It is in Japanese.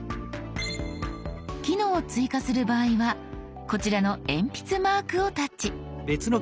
機能を追加する場合はこちらの鉛筆マークをタッチ。